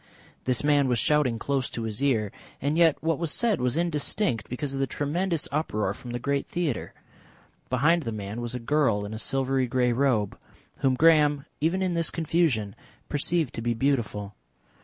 This man was shouting close to his ear and yet what was said was indistinct because of the tremendous uproar from the great theatre. Behind the man was a girl in a silvery grey robe, whom Graham, even in this confusion, perceived to be beautiful.